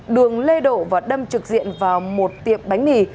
đường lê độ và đâm trực diện vào một tiệm bánh mì